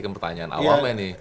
kemertanyaan awal mah ini